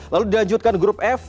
lalu dilanjutkan grup f